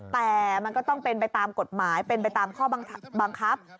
แต่มันก็ต้องเป็นไปตามกฎหมายเป็นไปตามข้อบังคับ